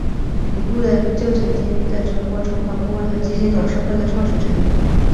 已故的就曾经是的全国筹款顾问和基金董事会的创始成员。